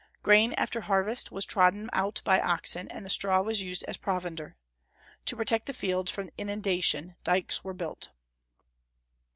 Grain, after harvest, was trodden out by oxen, and the straw was used as provender. To protect the fields from inundation dykes were built.